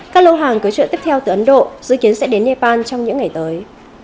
các lô hàng cứu trợ tiếp theo từ ấn độ dự kiến sẽ đến nepal trong những ngày tới